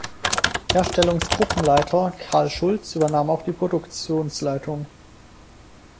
Herstellungsgruppenleiter Karl Schulz übernahm auch die Produktionsleitung.